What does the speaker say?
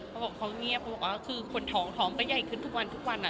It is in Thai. เขาบอกเขาเงียบเขาบอกว่าคือคนท้องท้องก็ใหญ่ขึ้นทุกวันทุกวัน